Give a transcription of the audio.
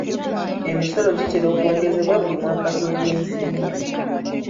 Emisolo gitera okwongezebwa buli mwaka gw'ebyensimbi.